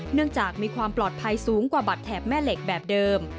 เนื่องจากมีความปลอดภัยสูงกว่าบัตรแถบแม่เหล็กแบบเดิม